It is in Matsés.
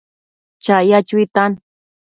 chaya chuitan